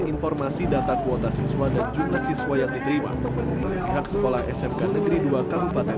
informasi data kuota siswa dan jumlah siswa yang diterima oleh pihak sekolah smk negeri dua kabupaten